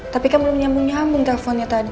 tapi kan belum nyambung nyambung teleponnya tadi